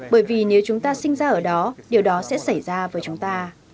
bởi vì nếu chúng ta sinh ra ở đó điều đó sẽ xảy ra với chúng ta